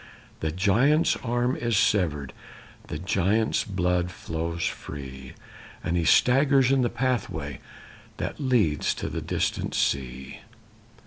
The giant's arm is severed, The giant's blood flows free, And he staggers in the pathway That leads to the distant sea.